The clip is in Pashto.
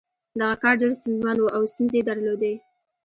دغه کار ډېر ستونزمن و او ستونزې یې درلودې